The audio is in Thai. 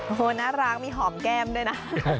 โอ้โหน่ารักมีหอมแก้มด้วยนะ